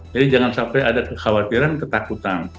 jadi jangan sampai ada kekhawatiran ketakutan